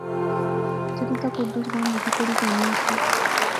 جدوں تک اُردو زبان لیخی پڑھی جانی ہوسی